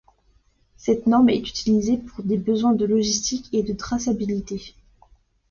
Cette norme est utilisée pour des besoins de logistique et de traçabilité.